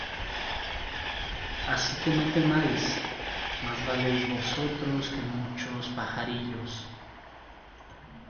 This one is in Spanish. Así que, no temáis: más valéis vosotros que muchos pajarillos.